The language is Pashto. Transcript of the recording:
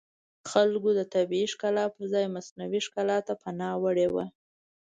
خلکو د طبیعي ښکلا پرځای مصنوعي ښکلا ته پناه وړې وه